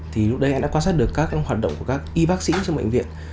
thì lúc đấy anh đã quan sát được các hoạt động của các y bác sĩ trong bệnh viện